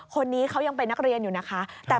คนนี้เขายังเป็นนักเรียนอยู่นะคะ